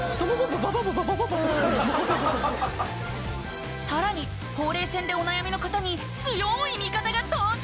ババババババババさらにほうれい線でお悩みの方に強ーい味方が登場